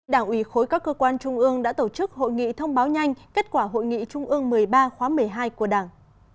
đảng ủy khối các cơ quan trung ương đã tổ chức hội nghị thông báo nhanh kết quả hội nghị trung ương một mươi ba khóa một mươi hai của đảng